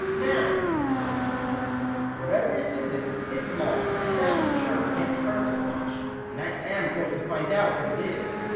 "Now," said Celia, "whatever is in this, is small, and I am sure can't hurt us much, and I am going to find out what it is."